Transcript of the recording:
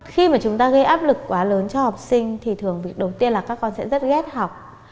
khi mà chúng ta gây áp lực quá lớn cho học sinh thì thường đầu tiên là các con sẽ rất ghét học